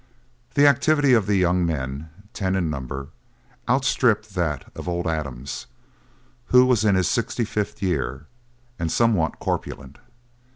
The activity of the young men, ten in number, outstripped that of old Adams, who was in his sixty fifth year, and somewhat corpulent.